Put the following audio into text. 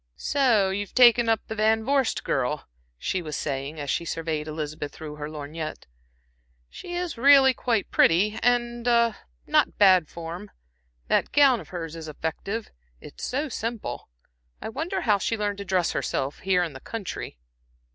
"So you have taken up the Van Vorst girl," she was saying, as she surveyed Elizabeth through her lorgnette. "She is really quite pretty, and a not bad form. That gown of hers is effective it's so simple. I wonder how she learned to dress herself, here in the country."